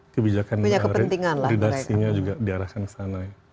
kebijakan punya kepentingan mereka redaksinya juga diarahkan ke sana